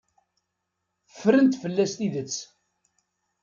Ffrent fell-as tidet.